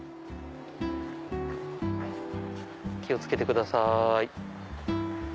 気を付けてください。